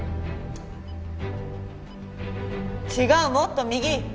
違うもっと右。